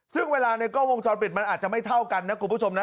ซึ่งเวลาในกล้องวงจรปิดมันอาจจะไม่เท่ากันนะคุณผู้ชมนะ